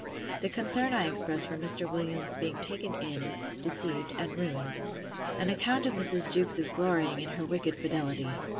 The concern I expressed for Mr. Williams's being taken in, deceived, and ruined. An account of Mrs. Jewkes's glorying in her wicked fidelity.